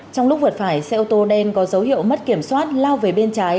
trong lúc vượt phải xe ô tô đen có dấu hiệu mất kiểm soát lao về bên trái